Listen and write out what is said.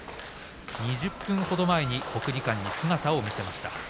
２０分ほど前に国技館に姿を見せました。